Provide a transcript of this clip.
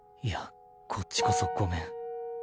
いやこっちこそごめん。